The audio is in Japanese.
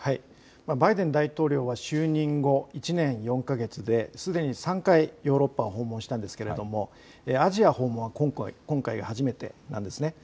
バイデン大統領は就任後、１年４か月ですでに３回、ヨーロッパを訪問したんですがアジア訪問は今回が初めてなんです。